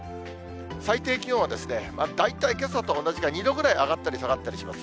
最低気温はですね、大体けさと同じか、２度ぐらい上がったり下がったりします。